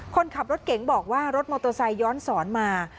คนขับรถเก๋งบอกว่ารถมอเตอร์ไซคย้อนสอนมา